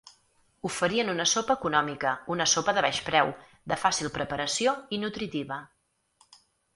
Oferien una sopa econòmica, una sopa de baix preu, de fàcil preparació i nutritiva.